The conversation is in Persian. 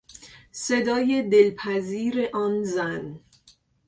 صدای دلپذیر آن زن